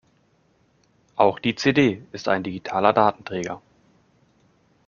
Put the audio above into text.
Auch die CD ist ein digitaler Datenträger.